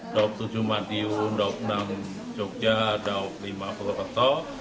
daup tujuh madiun daup enam jogja daup lima puluh beto